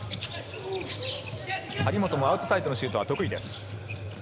張本もアウトサイドのシュートが得意です。